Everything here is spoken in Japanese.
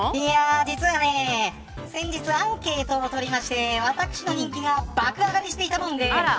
実は先日アンケートをとりまして私の人気がばか上がりしていたもんで。